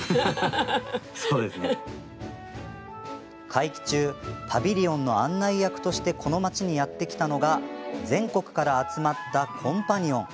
会期中パビリオンの案内役としてこの町にやって来たのが全国から集まったコンパニオン。